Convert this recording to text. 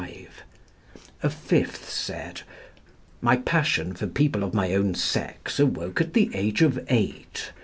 (5) A fifth said: "My passion for people of my own sex awoke at the age of eight.